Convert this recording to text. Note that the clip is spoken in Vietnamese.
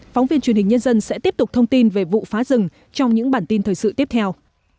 phóng viên truyền hình nhân dân sẽ tiếp tục thông tin về vụ phá rừng trong những bản tin thời sự tiếp theo